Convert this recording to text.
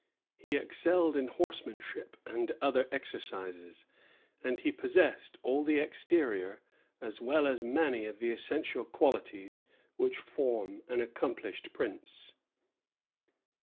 He excelled in horsemanship and other exercises; and he possessed all the exterior, as well as many of the essential qualities which form an accomplished prince.